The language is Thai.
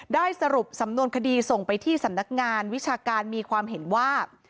ได้สรุปสำนวนคดีส่งไปที่สำนักงานวิชาการมีความเห็นว่า